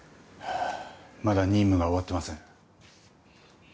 まだ任務が終わってません。